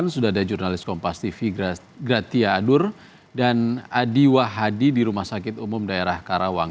sudah ada jurnalis kompas tv gratia adur dan adi wah hadi di rumah sakit umum daerah karawang